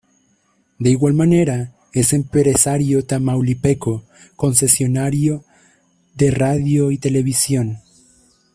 De igual manera es empresario Tamaulipeco, concesionario de Radio y Televisión.